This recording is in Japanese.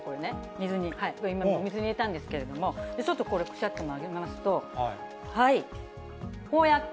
水に、今、水に入れたんですけれども、ちょっとこれ、くしゃっと曲げますと、こうやって。